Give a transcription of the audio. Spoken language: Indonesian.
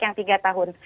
yang tiga tahun